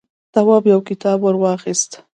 تواب يو کتاب ور واخيست.